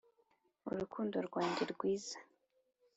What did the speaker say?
urukundo rwanjye rwiza